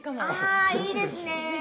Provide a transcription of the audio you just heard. あいいですね。